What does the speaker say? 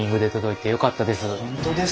本当ですね。